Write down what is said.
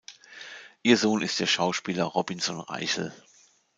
Ihr Sohn ist der Schauspieler Robinson Reichel.